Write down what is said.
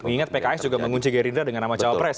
mengingat pks juga mengunci gerindra dengan nama cawapres